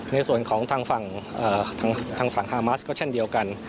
ในส่วนของทางฝั่งฮามัสก็เช่นเดียวกัน